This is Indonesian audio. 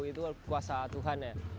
itu kuasa tuhan ya